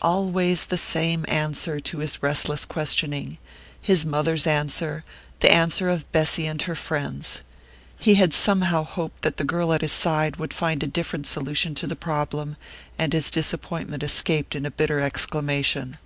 Always the same answer to his restless questioning! His mother's answer, the answer of Bessy and her friends. He had somehow hoped that the girl at his side would find a different solution to the problem, and his disappointment escaped in a bitter exclamation.